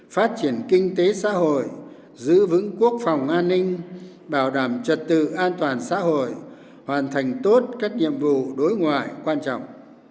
phát triển kinh tế xã hội giữ vững quốc phòng an ninh bảo đảm trật tự an toàn xã hội hoàn thành tốt các nhiệm vụ đối ngoại quan trọng